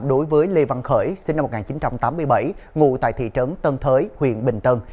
đối với lê văn khởi sinh năm một nghìn chín trăm tám mươi bảy ngụ tại thị trấn tân thới huyện bình tân